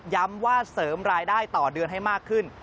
ว่าเสริมรายได้ต่อเดือนให้มากขึ้น